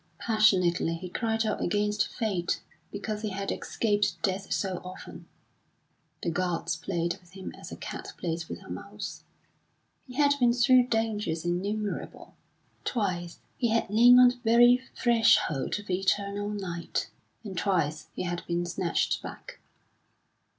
Passionately he cried out against Fate because he had escaped death so often. The gods played with him as a cat plays with a mouse. He had been through dangers innumerable; twice he had lain on the very threshold of eternal night, and twice he had been snatched back.